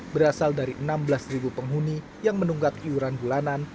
berasal dari enam belas penghuni yang menunggak iuran bulanan